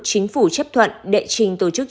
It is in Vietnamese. chính phủ chấp thuận đệ trình tổ chức